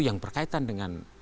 yang berkaitan dengan